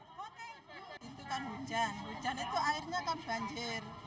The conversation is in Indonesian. hujan itu airnya kan banjir